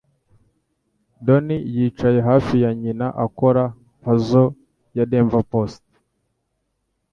Donnie yicaye hafi ya nyina akora puzzle ya Denver Post.